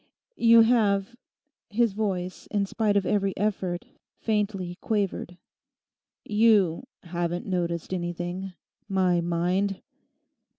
You have'—his voice, in spite of every effort, faintly quavered—'you haven't noticed anything? My mind?